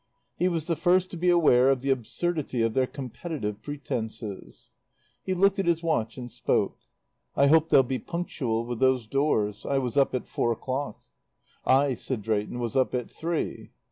He was the first to be aware of the absurdity of their competitive pretences. He looked at his watch and spoke. "I hope they'll be punctual with those doors. I was up at four o'clock." "I," said Drayton, "was up at three."